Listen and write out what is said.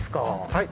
はい。